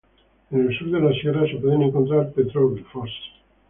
En el sur de la sierra se pueden encontrar petroglifos.